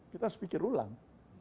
kita harus pikir ulang